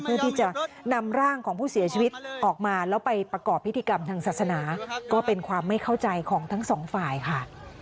เพื่อที่จะนำร่างของผู้เสียชีวิตออกมาแล้วไปประกอบพิธีกรรมทางศาสนาก็เป็นความไม่เข้าใจของทั้งสองฝ่ายค่ะ